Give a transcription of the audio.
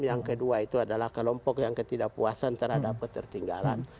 yang kedua itu adalah kelompok yang ketidakpuasan terhadap ketertinggalan